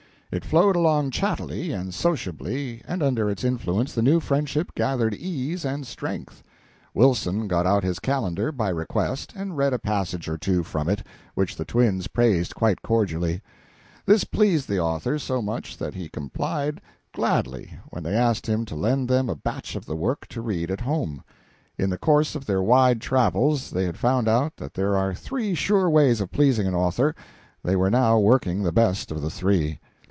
It flowed along chattily and sociably, and under its influence the new friendship gathered ease and strength. Wilson got out his Calendar, by request, and read a passage or two from it, which the twins praised quite cordially. This pleased the author so much that he complied gladly when they asked him to lend them a batch of the work to read at home. In the course of their wide travels they had found out that there are three sure ways of pleasing an author; they were now working the best of the three.